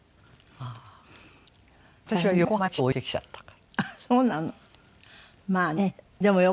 私は横浜へ父を置いてきちゃったから。